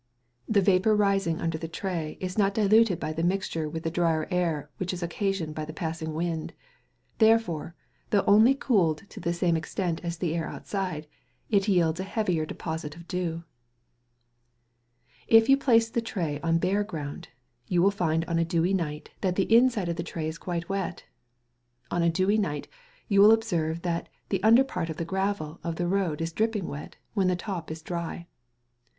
The vapour rising under the tray is not diluted by the mixture with the drier air which is occasioned by the passing wind; therefore, though only cooled to the same extent as the air outside, it yields a heavier deposit of dew. If you place the tray on bare ground, you will find on a dewy night that the inside of the tray is quite wet. On a dewy night you will observe that the under part of the gravel of the road is dripping wet when the top is dry.